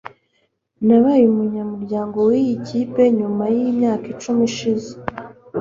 nabaye umunyamuryango wiyi kipe mu myaka icumi ishize